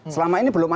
selama ini belum ada